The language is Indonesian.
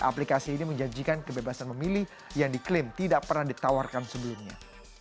aplikasi ini menjanjikan kebebasan memilih yang diklaim tidak pernah ditawarkan sebelumnya